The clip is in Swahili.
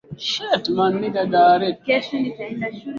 Chakula kilikuwa kingi mno